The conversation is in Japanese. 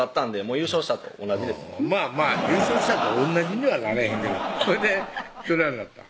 優勝したと同じにはなれへんけどそれでどないなったん？